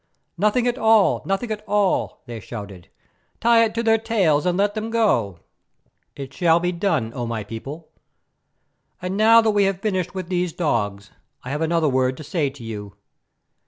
"Nothing at all! Nothing at all!" they shouted. "Tie it to their tails and let them go!" "It shall be done, O my people! And now that we have finished with these dogs, I have another word to say to you.